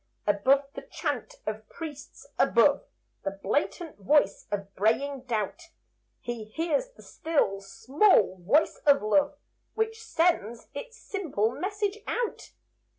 Above the chant of priests, above The blatant voice of braying doubt, He hears the still, small voice of Love, Which sends its simple message out.